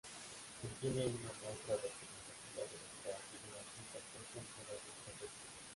Contiene una muestra representativa de los trabajos del artista sueco en todas sus facetas.